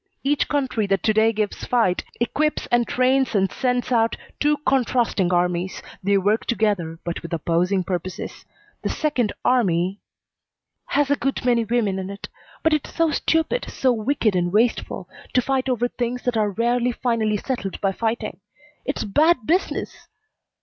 Each country that to day gives fight, equips and trains and sends out two contrasting armies. They work together, but with opposing purposes. The second army " "Has a good many women in it. But it's so stupid, so wicked and wasteful, to fight over things that are rarely finally settled by fighting. It's bad business!"